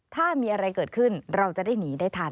ถ้ามีอะไรเกิดขึ้นเราจะได้หนีได้ทัน